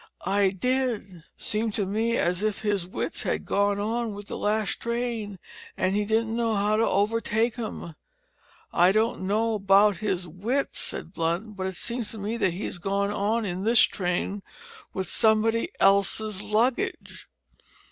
"I did. Seemed to me as if his wits had gone on wi' the last train, an' he didn't know how to overtake 'em." "I don't know about his wits," said Blunt, "but it seems to me that he's gone on in this train with somebody else's luggage."